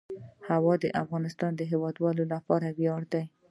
هوا د افغانستان د هیوادوالو لپاره ویاړ دی.